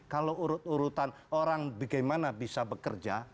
kalau urut urutan orang bagaimana bisa bekerja